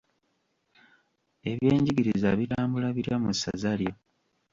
Ebyenjigiriza bitambula bitya mu ssaza lyo?